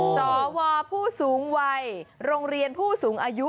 สวผู้สูงวัยโรงเรียนผู้สูงอายุ